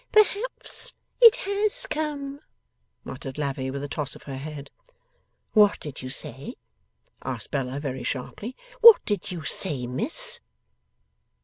'Perhaps it has come,' muttered Lavvy, with a toss of her head. 'What did you say?' asked Bella, very sharply. 'What did you say, miss?